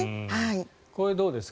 これ、どうですか？